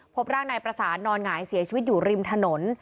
พบร่างนายประสานนอนหงายเสียชีวิตอยู่ริมถนน